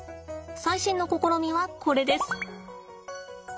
最新の試みはこれです。